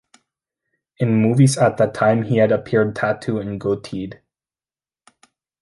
In movies at that time he had appeared tattooed and goateed.